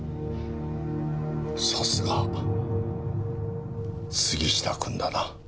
さすが杉下君だな。